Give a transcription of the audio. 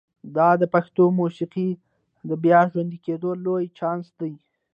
دا د پښتو موسیقۍ د بیا ژوندي کېدو لوی چانس دی.